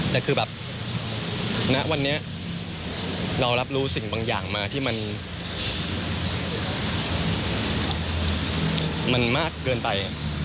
แต่คือแบบณวันนี้เรารับรู้สิ่งบางอย่างมาที่มันมากเกินไป